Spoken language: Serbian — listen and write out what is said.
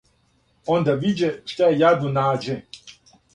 Онда виђе шта је јадну нађе,